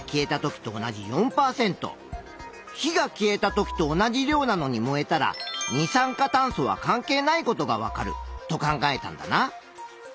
火が消えた時と同じ量なのに燃えたら二酸化炭素は関係ないことがわかると考えたんだな。